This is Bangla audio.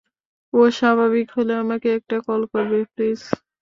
ও স্বাভাবিক হলে আমাকে একটা কল করবে প্লিজ!